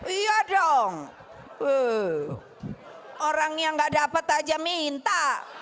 iya dong orang yang nggak dapet aja minta